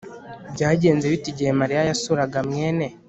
Byagenze bite igihe Mariya yasuraga mwene